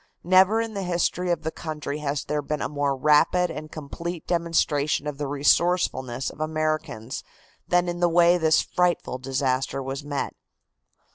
Never in the history of the country has there been a more rapid and complete demonstration of the resourcefulness of Americans than in the way this frightful disaster was met.